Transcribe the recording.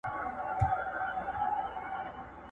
جنازې دي چي ډېرېږي د خوارانو!!